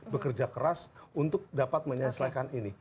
bekerja keras untuk dapat menyelesaikan ini